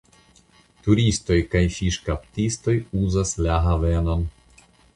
Turistoj kaj fiŝkaptistoj uzas la havenon.